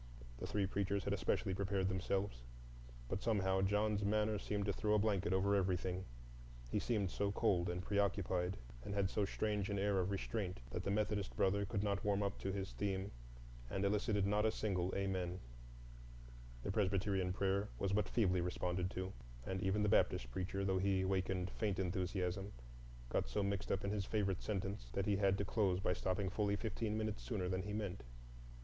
The three preachers had especially prepared themselves, but somehow John's manner seemed to throw a blanket over everything,—he seemed so cold and preoccupied, and had so strange an air of restraint that the Methodist brother could not warm up to his theme and elicited not a single "Amen"; the Presbyterian prayer was but feebly responded to, and even the Baptist preacher, though he wakened faint enthusiasm, got so mixed up in his favorite sentence that he had to close it by stopping fully fifteen minutes sooner than he meant.